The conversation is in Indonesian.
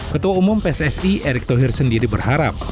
ketua umum pssi erick thohir sendiri berharap